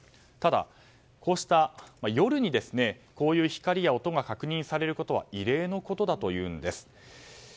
ただ、こうした夜にこういう光や音が確認されるのは異例のことだというんです。